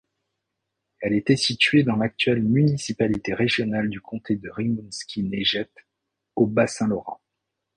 Elle était située dans l'actuelle municipalité régionale de comté de Rimouski-Neigette au Bas-Saint-Laurent.